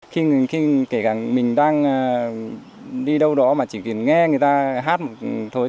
khi kể cả mình đang đi đâu đó mà chỉ cần nghe người ta hát một chút thôi